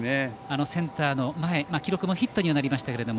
センターの前記録もヒットにはなりましたけど。